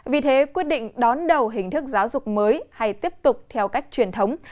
vì thế quyết định đón đầu hình thức giáo dục mới hay tiếp tục theo cách truyền thống